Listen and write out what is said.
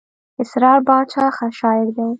اسرار باچا ښه شاعر دئ.